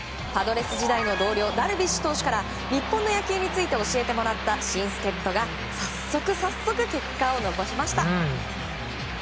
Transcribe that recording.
パドレス時代の同僚ダルビッシュ投手から日本の野球について教えてもらった新助っ人が早速、結果を残しました。